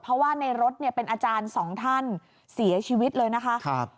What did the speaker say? เพราะว่าในรถเนี่ยเป็นอาจารย์สองท่านเสียชีวิตเลยนะคะ